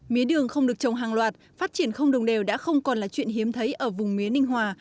mía đường không được trồng hàng loạt phát triển không đồng đều đã không còn là chuyện hiếm thấy ở vùng mía ninh hòa